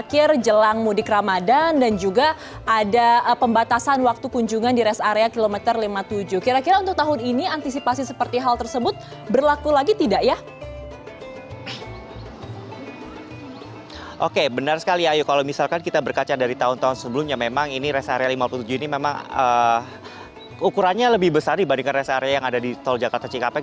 sebelumnya memang ini rest area lima puluh tujuh ini memang ukurannya lebih besar dibandingkan rest area yang ada di tol jakarta cikapek